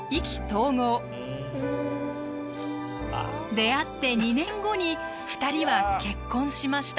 出会って２年後に２人は結婚しました。